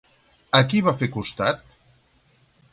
A qui va fer costat?